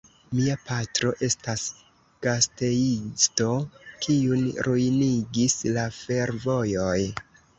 Mia patro estas gastejisto, kiun ruinigis la fervojoj.